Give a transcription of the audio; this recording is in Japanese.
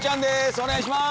お願いします。